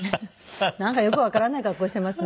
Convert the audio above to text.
なんかよくわからない格好していますね。